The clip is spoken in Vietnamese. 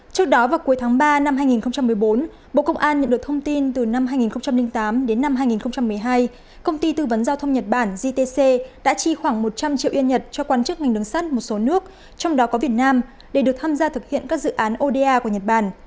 trước đó vào cuối tháng ba năm hai nghìn một mươi bốn bộ công an nhận được thông tin từ năm hai nghìn tám đến năm hai nghìn một mươi hai công ty tư vấn giao thông nhật bản gtc đã chi khoảng một trăm linh triệu yên nhật cho quan chức ngành đường sắt một số nước trong đó có việt nam để được tham gia thực hiện các dự án oda của nhật bản